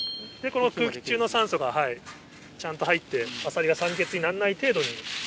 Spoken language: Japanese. でこの空気中の酸素がちゃんと入ってアサリが酸欠にならない程度に。